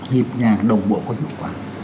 hiệp nhà đồng bộ có hiệu quả